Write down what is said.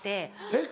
えっ？